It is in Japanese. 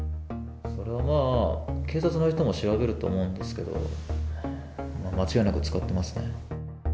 それはまあ、警察の人も調べると思うんですけれども、間違いなく使ってますね。